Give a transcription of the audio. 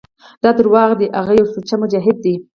دا دروغ دي هغه يو سوچه مجاهد دى.